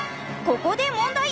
ここで問題！